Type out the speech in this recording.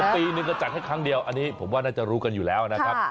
ปีนึงก็จัดให้ครั้งเดียวอันนี้ผมว่าน่าจะรู้กันอยู่แล้วนะครับ